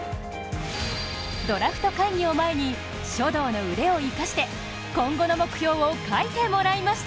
ドラフト会議を前に、書道の腕を生かして今後の目標を書いてもらいました。